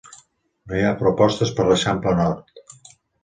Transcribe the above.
No hi ha propostes per a l'Eixample Nord.